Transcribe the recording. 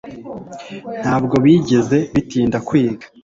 ntabwo bigeze bitinda kwiga